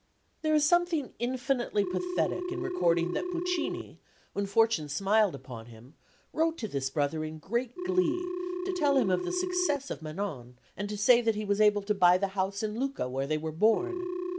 There is something infinitely pathetic in recording that Puccini, when fortune smiled upon him, wrote to this brother in great glee to tell him of the success of Manon, and to say that he was able to buy the house in Lucca where they were born.